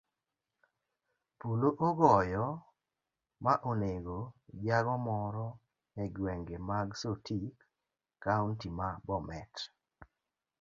Polo ogoyo ma onego jago moro egwenge mag sotik, kaunti ma bomet .